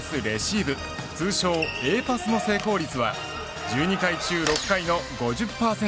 レシーブ通称Ａパスの成功率は１２回中６回の５０％。